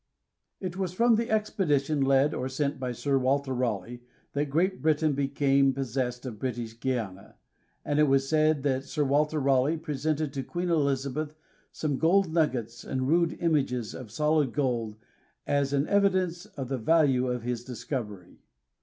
Bancroft Librarv It was from the expedition led or sent by Sir Walter Raleigh that Great Britain became possessed of British Guiana, and it is said that Sir Walter Raleigh presented to Queen Elizabeth some gold nuggets and rude images of solid gold as an evidence of the value of his discovery.